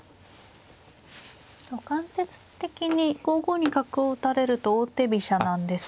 間接的に５五に角を打たれると王手飛車なんですが。